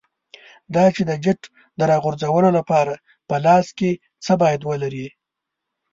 دا چې د جیټ د راغورځولو لپاره په لاس کې څه باید ولرې.